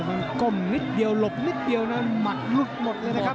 มันก้มนิดเดียวหลบนิดเดียวนะหมัดหลุดหมดเลยนะครับ